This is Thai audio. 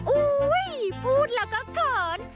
อุ้ยพูดแล้วก็เขิน